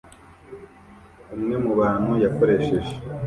umwe mubantu yakoresheje